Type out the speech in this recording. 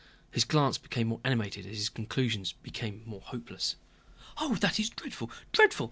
His glance became more animated as his conclusions became more hopeless. "Oh, that is dreadful, dreadful!"